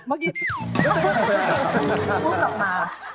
มักตุ๊กเดินมา